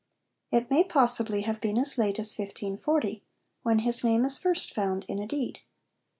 It may possibly have been as late as 1540, when his name is first found in a deed.